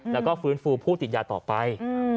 แล้วก็ฟื้นฟูผู้ติดยาต่อไป